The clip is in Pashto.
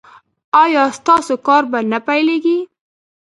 ایا ستاسو کار به نه پیلیږي؟